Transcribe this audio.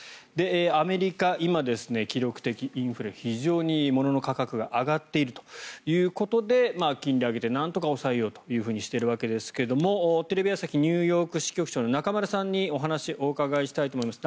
アメリカ、今、記録的インフレ非常に、ものの価格が上がっているということで金利を上げてなんとか抑えようとしているわけですがテレビ朝日ニューヨーク支局長の中丸さんにお話をお伺いしたいと思います。